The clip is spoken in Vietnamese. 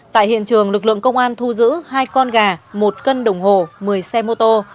tại hiện trường lực lượng công an thu giữ hai con gà một cân đồng hồ một mươi xe mô tô